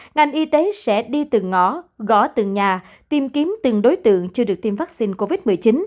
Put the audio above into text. ngành y tế sẽ đi từng ngõ gõ từng nhà tìm kiếm từng đối tượng chưa được tiêm vaccine covid một mươi chín